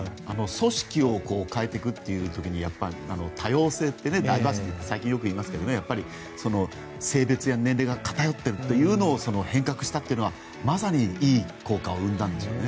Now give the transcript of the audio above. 組織を変えていくという時に多様性、ダイバーシティーって最近よく言いますけど性別や年齢が偏ってるというのを変革したというのが、まさにいい効果を生んだんでしょうね。